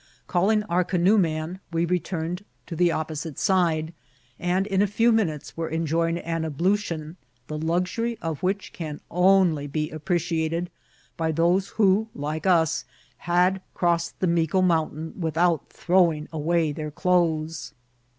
Call* ing our canoe man, we returned to the opposite side, and in a few minutes were enjoying an ablution, the luxury of which can only be appreciated by those who, like us, had crossed the Mico Mountain without throw* ing away their clothes.